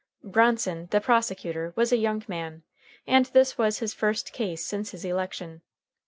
Bronson, the prosecutor, was a young man, and this was his first case since his election.